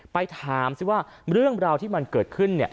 ไปถามสิว่าเรื่องราวที่มันเกิดขึ้นเนี่ย